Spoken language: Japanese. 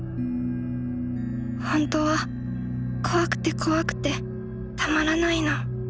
ほんとは怖くて怖くてたまらないの。